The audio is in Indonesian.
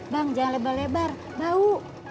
bang jangan lebar lebar bau